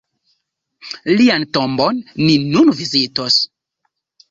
Lian tombon ni nun vizitos.